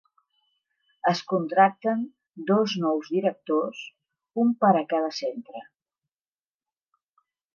Es contracten dos nous directors, un per a cada centre.